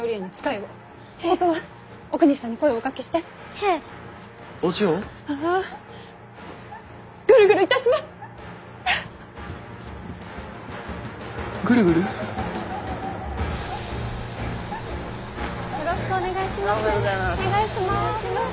よろしくお願いします。